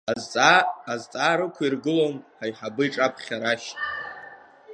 Азҵаара ықәиргылон аиҳабы иҿаԥхьа Рашь.